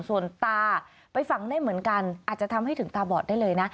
ส่วนตาไปฝังได้เหมือนกันอาจจะทำให้ถึงตาบอดได้เลยนะ